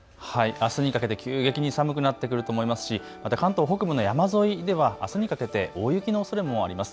あすにかけて急激に寒くなってくると思いますし関東北部の山沿いではあすにかけて大雪のおそれもあります。